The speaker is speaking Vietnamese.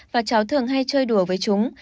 và cháu thường hay chơi đùa với chúng